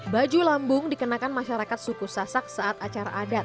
baju lambung dikenakan masyarakat suku sasak saat acara adat